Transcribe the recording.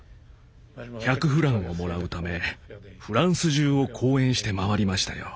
１００フランをもらうためフランス中を講演して回りましたよ。